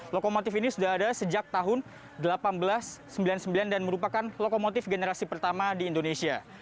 lokomotif ini sudah ada sejak tahun seribu delapan ratus sembilan puluh sembilan dan merupakan lokomotif generasi pertama di indonesia